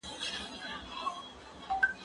زه سپينکۍ نه پرېولم